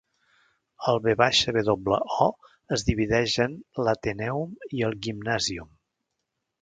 El VWO es divideix en l'Atheneum i el Gymnasium.